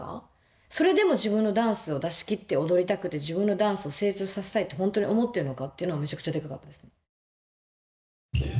それでも自分のダンスを出し切って踊りたくて自分のダンスを成長させたいって本当に思ってるのかっていうのがめちゃくちゃでかかったですね。